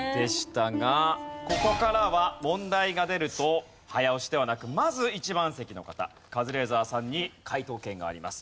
ここからは問題が出ると早押しではなくまず１番席の方カズレーザーさんに解答権があります。